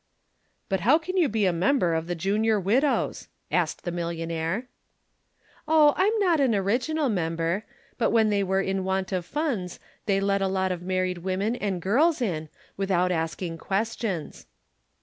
"But how can you be a member of the Junior Widows'?" asked the millionaire. "Oh, I'm not an original member. But when they were in want of funds they let a lot of married women and girls in, without asking questions."